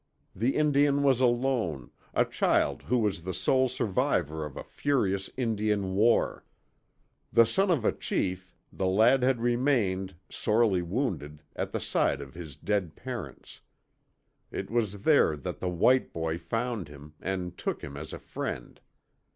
The Indian was alone, a child who was the sole survivor of a furious Indian war. The son of a chief, the lad had remained, sorely wounded, at the side of his dead parents. It was there that the white boy found him, and took him as a friend.